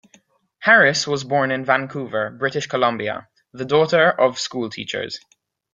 Harris was born in Vancouver, British Columbia, the daughter of schoolteachers.